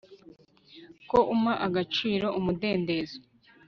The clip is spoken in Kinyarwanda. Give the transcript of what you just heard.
ko umpa agaciro umudendezo